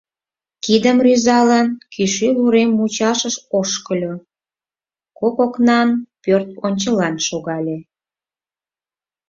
Кидым рӱзалын, кӱшыл урем мучашыш ошкыльо, кок окнан пӧрт ончылан шогале.